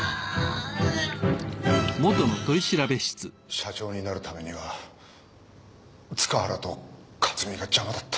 社長になるためには塚原と克巳が邪魔だった。